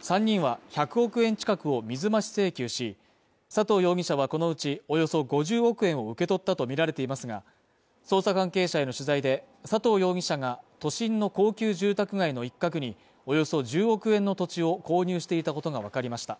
３人は１００億円近くを水増し請求し、佐藤容疑者はこのうちおよそ５０億円を受け取ったとみられていますが捜査関係者への取材で佐藤容疑者が都心の高級住宅街の一角におよそ１０億円の土地を購入していたことがわかりました。